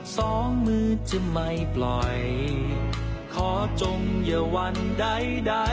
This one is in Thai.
สองมือจะไม่ปล่อยขอจงอย่าวันใดใด